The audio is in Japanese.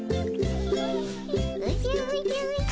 おじゃおじゃおじゃ。